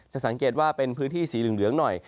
สังเกตว่าเป็นพื้นที่สีเหลืองหน่อย